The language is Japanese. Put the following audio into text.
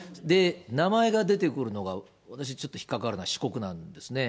名前が出てくるのが、私、ちょっと引っ掛かるのは、四国なんですね。